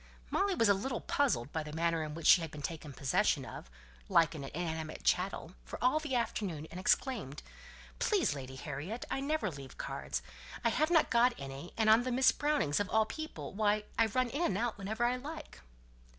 Molly was a little puzzled by the manner in which she had been taken possession of, like an inanimate chattel, for all the afternoon, and exclaimed, "Please, Lady Harriet I never leave cards; I have not got any, and on the Miss Brownings, of all people; why, I am in and out whenever I like."